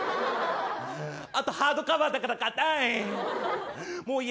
あとハードカバーだから硬い。